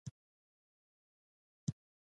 موږ راځو چې دوئ ونه وېرېږي.